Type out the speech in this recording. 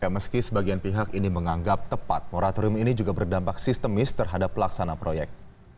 meski sebagian pihak ini menganggap tepat moratorium ini juga berdampak sistemis terhadap pelaksana proyek